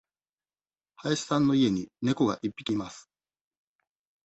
林さんの家に猫が一匹います。